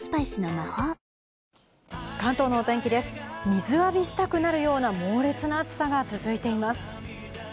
水浴びしたくなるような猛烈な暑さが続いています。